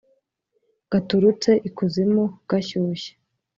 Gaturutse ikuzimu gashyushye